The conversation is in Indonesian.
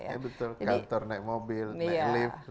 ya betul kantor naik mobil naik lift